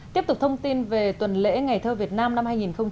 tiếp tục thông tin về tuần lễ ngày thơ việt nam năm hai nghìn một mươi tám